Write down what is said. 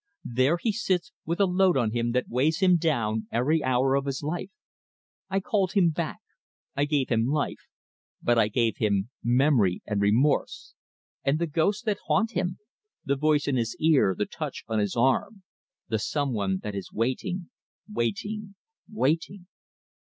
There he sits with a load on him that weighs him down every hour of his life. I called him back; I gave him life; but I gave him memory and remorse, and the ghosts that haunt him: the voice in his ear, the touch on his arm, the some one that is 'waiting waiting waiting!